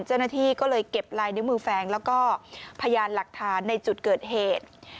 เจ้าหน้าที่ก็เลยเก็บลายนิ้วมือแฟงแล้วก็พยานหลักฐานในจุดเกิดเหตุ